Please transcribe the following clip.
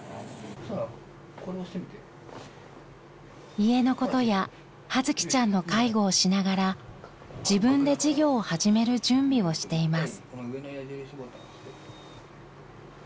家のことや葉月ちゃんの介護をしながら自分で事業を始める準備をしています。